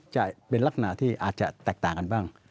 จะเป็นลักษณะที่อาจจะแตกต่างกันบ้าง